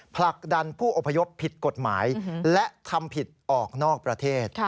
ผลักดันผู้อพยพผิดกฎหมายและทำผิดออกนอกประเทศ